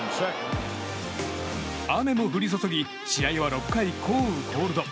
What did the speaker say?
雨も降り注ぎ試合は６回降雨コールド。